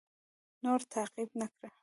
نور تعقیب نه کړ.